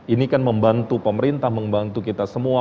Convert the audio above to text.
ini kan membantu pemerintah membantu kita semua